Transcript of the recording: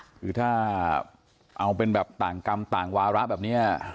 คือถ้าเอาเป็นแบบต่างกรรมต่างวาระแบบนี้